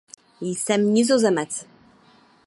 Jsem Nizozemec.